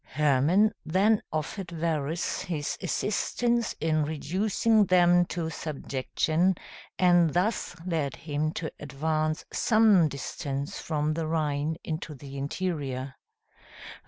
Hermann then offered Varus his assistance in reducing them to subjection, and thus led him to advance some distance from the Rhine into the interior.